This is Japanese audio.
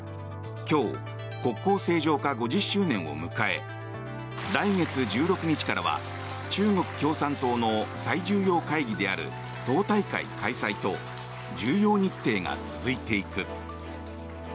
今日、国交正常化５０周年を迎え来月１６日からは中国共産党の最重要会議である党大会開催と重要日程が続いていく。